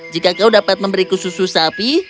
jika kau dapat memberiku susu sapi